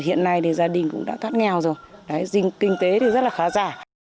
hiện nay gia đình cũng đã thoát nghèo rồi kinh tế thì rất là khá già